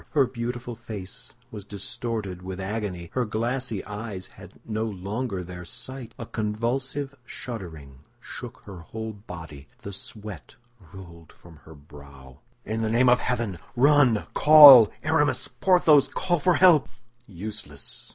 Her beautiful face was distorted with agony; her glassy eyes had no longer their sight; a convulsive shuddering shook her whole body; the sweat rolled from her brow. "In the name of heaven, run, call! Aramis! Porthos! Call for help!" "Useless!"